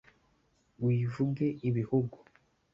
wivuge ibihugu,